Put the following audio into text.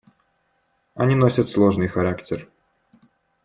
Они носят сложный характер.